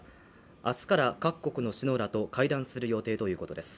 明日から各国の首脳らと会談する予定だということです。